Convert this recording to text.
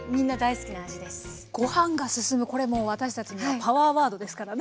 ご飯が進むもう私たちにはパワーワードですからね。